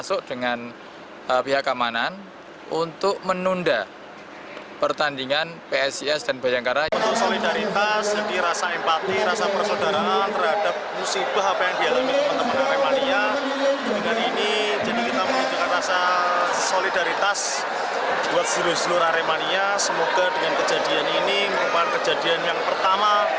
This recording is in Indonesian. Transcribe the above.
untuk menunda pertandingan psis dan bayangkara